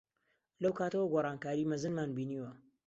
لەو کاتەوە گۆڕانکاریی مەزنمان بینیوە.